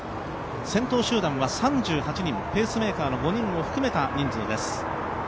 先頭集団は３８人、ペースメーカーの５人を含めた人数です。